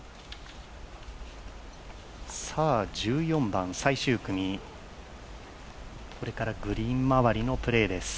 １４番、最終組、これからグリーン周りのプレーです。